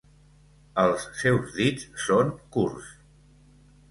Els seus dits són curts.